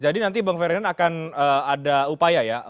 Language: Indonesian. jadi nanti bang ferdinand akan ada upaya ya